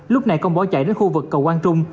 lúc này công bỏ chạy đến khu vực cầu quang trung